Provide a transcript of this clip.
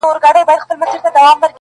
• داسي اور دی چي نه مري او نه سړیږي -